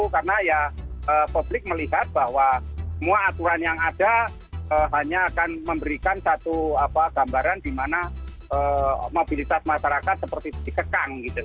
karena ya publik melihat bahwa semua aturan yang ada hanya akan memberikan satu gambaran di mana mobilitas masyarakat seperti dikekang gitu